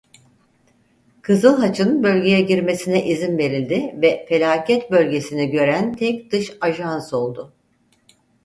Kızıl Haç'ın bölgeye girmesine izin verildi ve felaket bölgesini gören tek dış ajans oldu.